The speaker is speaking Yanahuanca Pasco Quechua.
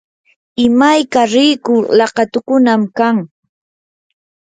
imayka rikuq laqatukunam kan.